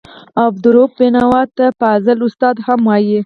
عبدالرؤف بېنوا ته فاضل استاد هم وايي.